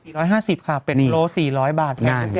วันนี้ซื้อไก่๔๕๐ค่ะเป็นโล๔๐๐บาทใช้ทุกอย่างเลยค่ะ